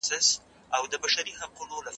آیا ته پوهېږې چې د انسان خدمت کول څومره خوند لري؟